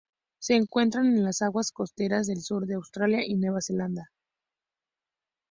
Se encuentran en las aguas costeras del sur de Australia y Nueva Zelanda.